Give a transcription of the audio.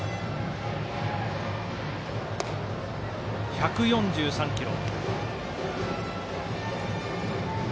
１４３キロ。